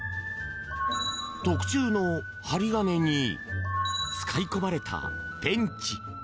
特注の針金に使い込まれたペンチ。